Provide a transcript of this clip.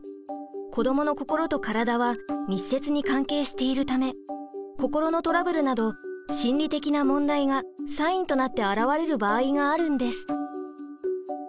子どもの心と体は密接に関係しているため心のトラブルなど心理的な問題がサインとなって表れる場合があるんです。